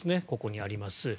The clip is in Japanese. ここにあります。